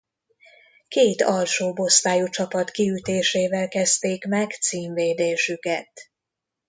Két alsóbb osztályú csapat kiütésével kezdték meg címvédésüket.